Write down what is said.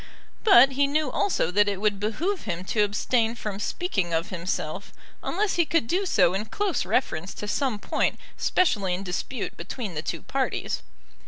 But he knew also that it would behove him to abstain from speaking of himself unless he could do so in close reference to some point specially in dispute between the two parties.